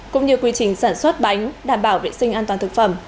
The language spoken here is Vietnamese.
cũng như quy trình sản xuất bánh đảm bảo vệ sinh an toàn thực phẩm